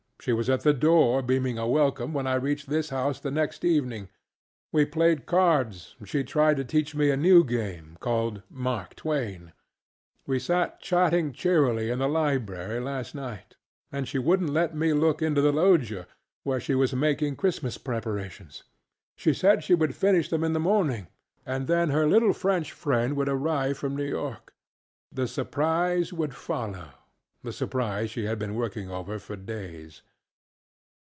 She was at the door, beaming a welcome, when I reached this house the next evening. We played cards, and she tried to teach me a new game called ŌĆ£Mark Twain.ŌĆØ We sat chatting cheerily in the library last night, and she wouldnŌĆÖt let me look into the loggia, where she was making Christmas preparations. She said she would finish them in the morning, and then her little French friend would arrive from New YorkŌĆöthe surprise would follow; the surprise she had been working over for days.